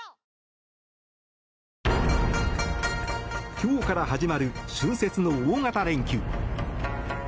今日から始まる春節の大型連休。